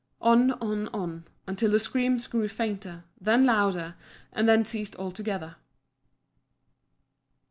On, on, on, until the screams grew fainter, then louder, and then ceased altogether.